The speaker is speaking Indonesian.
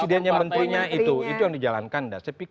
presidennya menterinya itu itu yang dijalankan